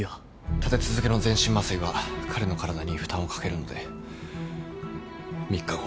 立て続けの全身麻酔は彼の体に負担をかけるので３日後。